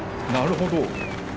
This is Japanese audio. なるほど。